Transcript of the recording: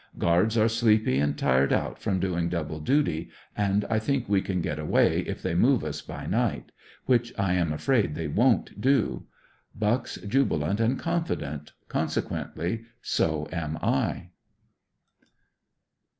Guards are sleepy and tired out from doing double duty, and I think we can get away if they move us by night, which I am afraid they won't do Bucks jubilant and confident, consequently so am I.